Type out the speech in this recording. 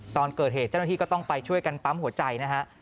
ตอนเกิดเหตุเจ้าหน้าที่ก็ต้องไปช่วยกันปั๊มหัวใจนะฮะ